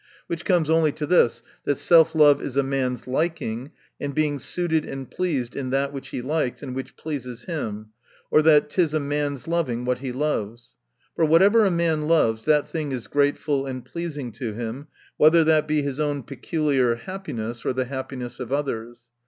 Which comes only to this, that self love is a man's liking, and being" suited and pleased in that which he likes, and which pleases him ; or, that it is a man's loving what he loves. For whatever a man loves, that thing is gratefui and pleasing to him, whether tha ; be his own peculiar happi ness, or the happiness of others.